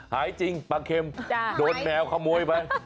หายจริงปลาเข็มโดนแมวขโมยไป